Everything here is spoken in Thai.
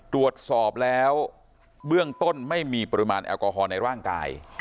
ตรวจสอบแล้วเบื้องต้นไม่มีปริมาณแอลกอฮอลในร่างกาย